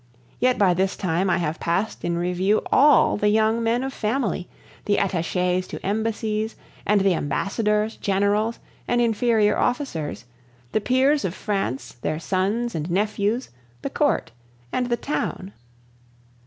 Yet by this time I have passed in review all the young men of family, the attaches to embassies, and the ambassadors, generals, and inferior officers, the peers of France, their sons and nephews, the court, and the town.